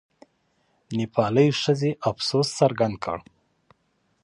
د نېپال ښځې افسوس څرګندولی.